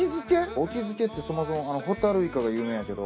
沖漬けってそもそもホタルイカが有名やけど。